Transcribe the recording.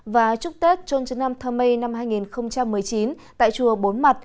và chúc tết trôn trấn nam thơ mây năm hai nghìn một mươi chín tại chùa bốn mặt